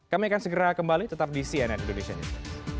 kami akan segera kembali tetap di cnn indonesia news